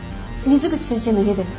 水口先生の家だよ。